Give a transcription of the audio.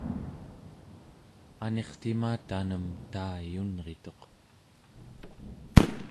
anirtima tanem taiyunrituq